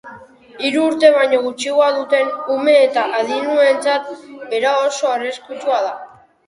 Hiru urte baino gutxiago duten ume eta adinduentzat beroa oso arriskutsua da.